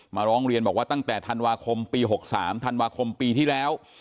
ร้องเรียนบอกว่าตั้งแต่ธันวาคมปี๖๓ธันวาคมปีที่แล้ว